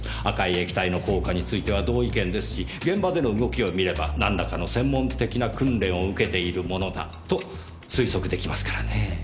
赤い液体の効果については同意見ですし現場での動きを見ればなんらかの専門的な訓練を受けている者だと推測できますからねぇ。